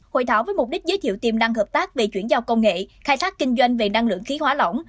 hội thảo với mục đích giới thiệu tiềm năng hợp tác về chuyển giao công nghệ khai thác kinh doanh về năng lượng khí hóa lỏng